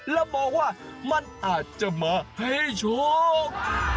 แล้วบอกว่ามันอาจจะมาให้โชค